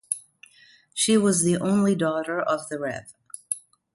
She was the only daughter of the Rev.